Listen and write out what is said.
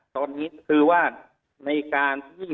ใช่ครับ